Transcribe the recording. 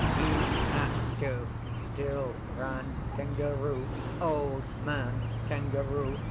He had to! Still ran Kangaroo Old Man Kangaroo.